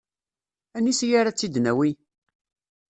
Anisi ara tt-id-nawi?